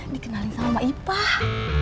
dikenalin sama emak ipah